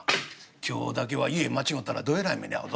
「今日だけは家間違うたらどえらい目に遭うぞ。